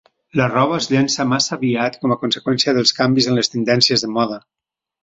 La roba es llença massa aviat com a conseqüència dels canvis en les tendències de moda.